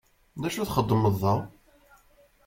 D acu i txeddmeḍ da?